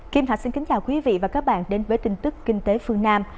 kim thạch xin kính chào quý vị và các bạn đến với tin tức kinh tế phương nam